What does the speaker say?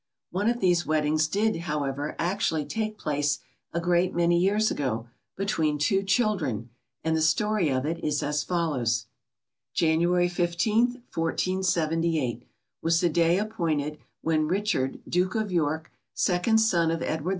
One of these weddings did, however, actually take place, a great many years ago, between two children, and the story of it is as follows: January 15, 1478, was the day appointed, when Richard, Duke of York, second son of Edward IV.